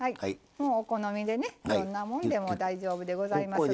もうお好みでねどんなもんでも大丈夫でございますが。